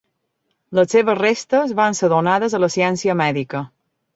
Les seves restes van ser donades a la ciència mèdica.